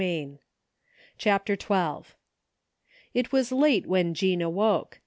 151 CHAPTER XII It was late when Jean awoke.